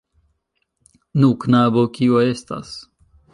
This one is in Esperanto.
Nu, knabo, kio estas?